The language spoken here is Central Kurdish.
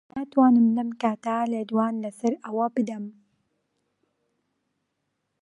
ناتوانم لەم کاتە لێدوان لەسەر ئەوە بدەم.